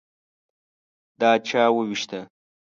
_دا چا ووېشته؟